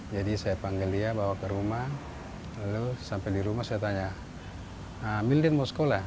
jadi saya panggil dia bawa ke rumah lalu sampai di rumah saya tanya milden mau sekolah